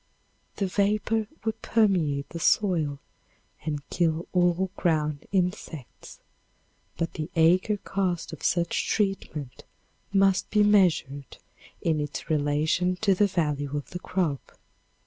The vapor would permeate the soil and kill all ground insects, but the acre cost of such treatment must be measured in its relation to the value of the crop.